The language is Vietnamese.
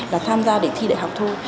là tham gia để thi đại học thôi